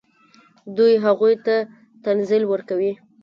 دوی هغوی ته تنزل ورکوي.